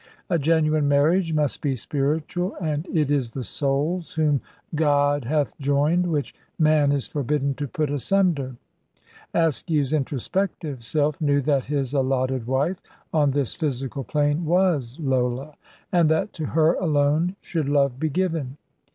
A genuine marriage must be spiritual, and it is the souls, whom God hath joined, which man is forbidden to put asunder. Askew's introspective self knew that his allotted wife on this physical plane was Lola, and that to her alone should love be given.